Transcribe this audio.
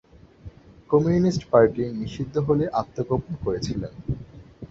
Communist party নিষিদ্ধ হলে আত্মগোপন করেছিলেন।